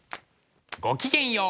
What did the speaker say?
ごきげんよう！